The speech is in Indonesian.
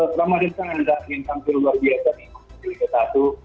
kamar desa nanda yang sampai luar biasa di ikut ke liga satu